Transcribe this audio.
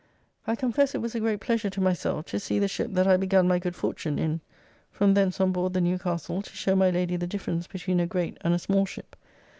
I confess it was a great pleasure to myself to see the ship that I begun my good fortune in. From thence on board the Newcastle, to show my Lady the difference between a great and a small ship.